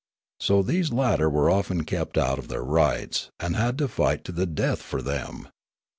So these latter were often kept out of their rights, and had to fight to the death for them.